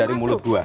dari mulut gua